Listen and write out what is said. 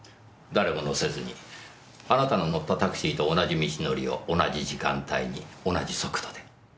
誰も乗せずにあなたの乗ったタクシーと同じ道のりを同じ時間帯に同じ速度で。